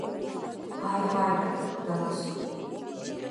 Гьайгьайра, далас.